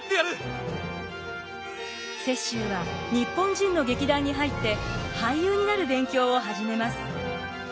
雪洲は日本人の劇団に入って俳優になる勉強を始めます。